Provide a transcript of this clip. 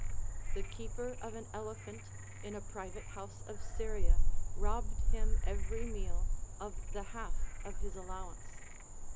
The keeper of an elephant in a private house of Syria robbed him every meal of the half of his allowance.